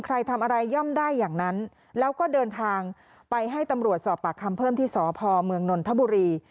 ใครทำอะไรย่อมได้อย่างนั้นแล้วก็เดินทางไปให้ตำรวจสอบปากคำเพิ่มที่สพเมืองนนทบุรี